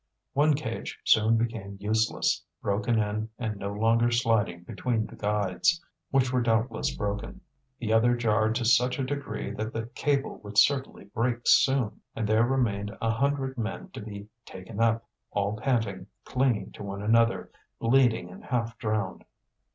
One cage soon became useless, broken in and no longer sliding between the guides, which were doubtless broken. The other jarred to such a degree that the cable would certainly break soon. And there remained a hundred men to be taken up, all panting, clinging to one another, bleeding and half drowned.